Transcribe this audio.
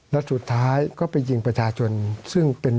สวัสดีครับทุกคน